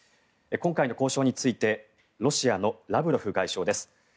今回の交渉についてロシアのラブロフ外相です。